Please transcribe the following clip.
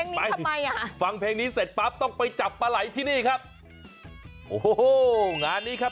นิดใบว่าฟังเพลงนี้ต้องเปิดแบบต้องไปจับปลาไหลกันที่นี่ครับ